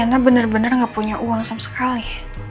ana bener bener gak punya uang sama sekali